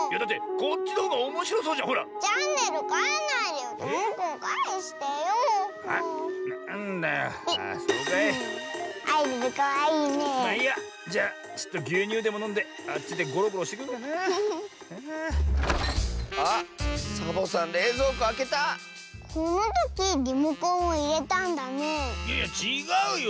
このときリモコンをいれたんだねいやちがうよ。